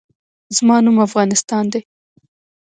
زما نوم افغانستان دی